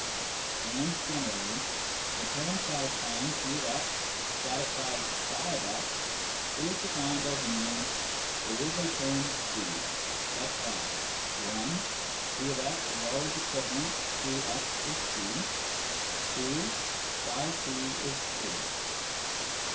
And generally :" the term satisfying <f>x satisfies ifsx " is defined as meaning :" There is a term c such that (1) t[>x is always equivalent to ' x is c,' (2) tfic is true."